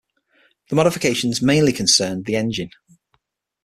The modifications mainly concerned the engine.